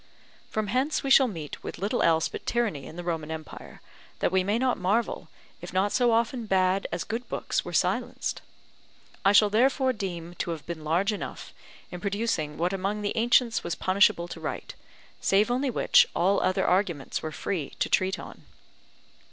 From hence we shall meet with little else but tyranny in the Roman empire, that we may not marvel, if not so often bad as good books were silenced. I shall therefore deem to have been large enough, in producing what among the ancients was punishable to write; save only which, all other arguments were free to treat on.